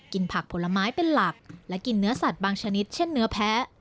ผักผลไม้เป็นหลักและกินเนื้อสัตว์บางชนิดเช่นเนื้อแพ้